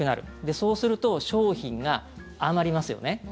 そうすると商品が余りますよね。